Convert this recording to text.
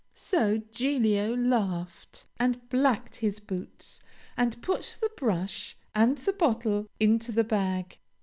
So Giglio laughed and blacked his boots, and put the brush and the bottle into the bag.